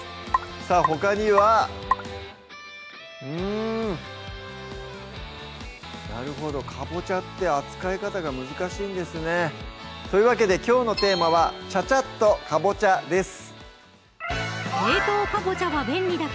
さぁほかにはうんなるほどかぼちゃって扱い方が難しいんですねというわけできょうのテーマは「チャチャっとかぼちゃ」です